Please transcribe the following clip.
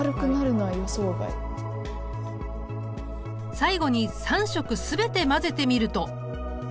最後に３色全て混ぜてみると。